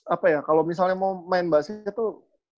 apa ya kalau misalnya mau main basket tuh